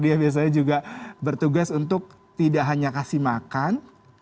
dia biasanya juga bertugas untuk tidak hanya kasih makan